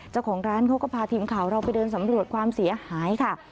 เจ้าของร้านเขาก็พาทีมข่าวเราไปเดินสำรวจความเสียหายค่ะ